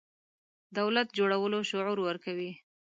دولت جوړولو شعور ورکوي.